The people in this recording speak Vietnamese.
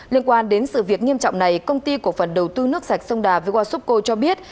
liên quan đến sự việc nghiêm trọng này công ty cổ phần đầu tư nước sạch sông đà vwasovco cho biết